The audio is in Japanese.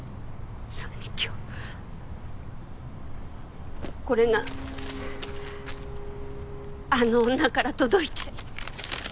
それに今日これがあの女から届いて。